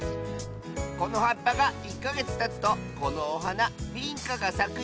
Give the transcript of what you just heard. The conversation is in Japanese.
このはっぱが１かげつたつとこのおはなビンカがさくよ！